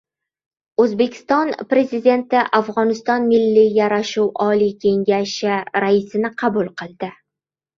O‘zbekiston Prezidenti Afg‘oniston Milliy yarashuv oliy kengashi Raisini qabul qildi